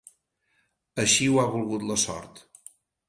Així ho ha volgut la sort.